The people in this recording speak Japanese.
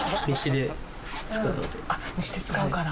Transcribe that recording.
あっ日誌で使うから。